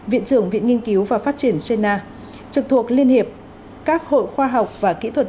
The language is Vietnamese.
viện trưởng viện nghiên cứu và phát triển genna trực thuộc liên hiệp các hội khoa học và kỹ thuật